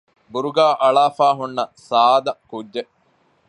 ބުރުގާ އަޅާފައި ހުންނަ ސާދަ ކުއްޖެއް